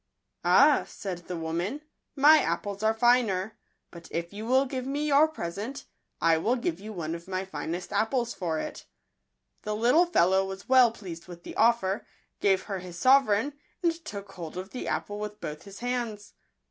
" Ah," said the woman, " my apples are finer ; but if you will give me your present, . I will give you one of my finest apples for it." The little fellow was well pleased with the offer, gave her his sovereign, and took hold of the apple with both his hands.